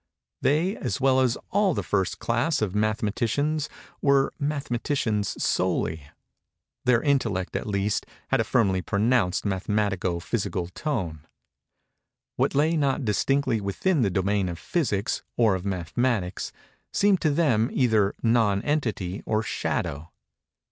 They, as well as all the first class of mathematicians, were mathematicians solely:—their intellect, at least, had a firmly pronounced mathematico physical tone. What lay not distinctly within the domain of Physics, or of Mathematics, seemed to them either Non Entity or Shadow.